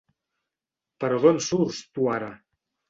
Però d'on surts, tu ara?